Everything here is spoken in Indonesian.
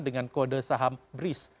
dengan kode saham bris